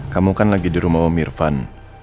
kamu kan lagi di rumah om mirfan